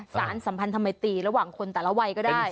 สามสัมภัณฑ์ธรรมดีระหว่างคนแต่ละวัยก็ได้